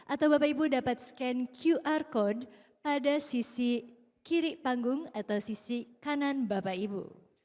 atau bapak ibu dapat scan qr code pada sisi kiri panggung atau sisi kanan bapak ibu